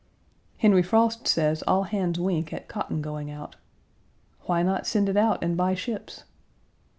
Henry Frost says all hands wink at cotton going out. Why not send it out and buy ships?